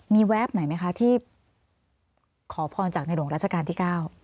มีแวบไหนไหมคะที่ขอพรจากในหลวงราชการที่๙